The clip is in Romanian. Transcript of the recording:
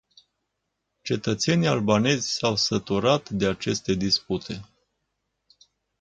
Cetățenii albanezi s-au săturat de aceste dispute.